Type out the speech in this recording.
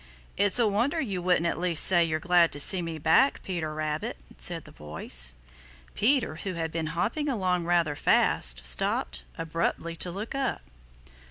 "It's a wonder you wouldn't at least say you're glad to see me back, Peter Rabbit," said the voice. Peter, who had been hopping along rather fast, stopped abruptly to look up.